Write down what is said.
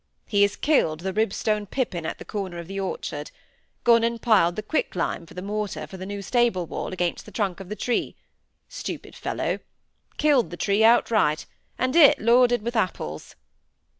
He has killed the Ribstone pippin at the corner of the orchard; gone and piled the quicklime for the mortar for the new stable wall against the trunk of the tree—stupid fellow! killed the tree outright—and it loaded with apples!"